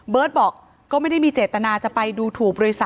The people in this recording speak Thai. บอกก็ไม่ได้มีเจตนาจะไปดูถูกบริษัท